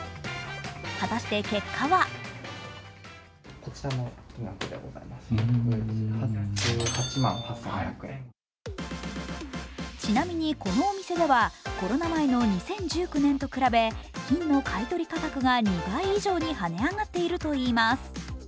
果たして結果はちなみにこのお店ではコロナ前の２０１９年と比べ金の買い取り価格が２倍以上に跳ね上がっているといいます。